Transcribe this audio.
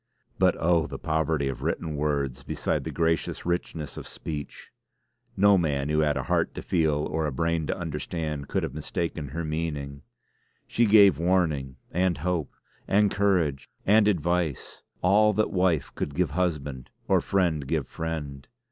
But oh! the poverty of written words beside the gracious richness of speech! No man who had a heart to feel or a brain to understand could have mistaken her meaning. She gave warning, and hope, and courage, and advice; all that wife could give husband, or friend give friend.